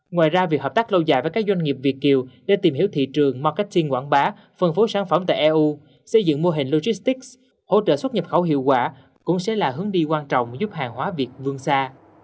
ngoài ra việc hợp tác lâu dài với các doanh nghiệp việt kiều để tìm hiểu thị trường marketing quảng bá phân phối sản phẩm tại eu xây dựng mô hình logistics hỗ trợ xuất nhập khẩu hiệu quả cũng sẽ là hướng đi quan trọng giúp hàng hóa việt vương xa